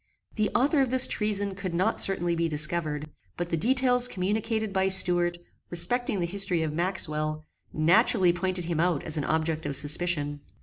The author of this treason could not certainly be discovered; but the details communicated by Stuart, respecting the history of Maxwell, naturally pointed him out as an object of suspicion.